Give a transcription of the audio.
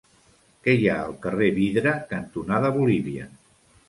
Què hi ha al carrer Vidre cantonada Bolívia?